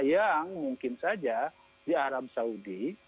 yang mungkin saja di arab saudi